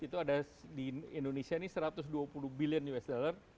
itu ada di indonesia ini satu ratus dua puluh billion usd